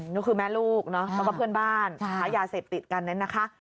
นี่คือแม่ลูกแล้วก็เพื่อนบ้านขายาเสพติดกันนั้นนะคะ